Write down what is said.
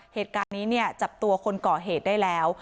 เหตุการณ์นี้เนี่ยจับตัวคนก่อเหตุได้แล้ว